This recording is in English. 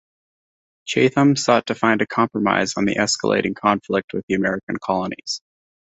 Chatham sought to find a compromise on the escalating conflict with the American colonies.